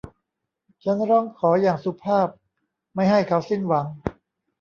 ฉันร้องขออย่างสุภาพไม่ให้เขาสิ้นหวัง